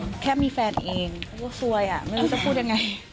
ก็แค่มีแฟนเองก็สวยไม่รู้จะพูดยังไง